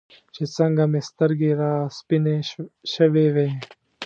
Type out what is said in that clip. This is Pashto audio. چې څنګه مې سترګې راسپینې شوې وې.